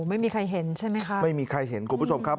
ไม่มีใครเห็นใช่ไหมคะไม่มีใครเห็นคุณผู้ชมครับ